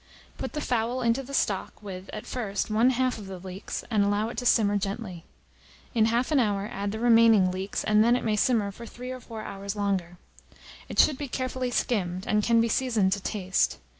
Put the fowl into the stock, with, at first, one half of the leeks, and allow it to simmer gently. In half an hour add the remaining leeks, and then it may simmer for 3 or 4 hours longer. It should be carefully skimmed, and can be seasoned to taste.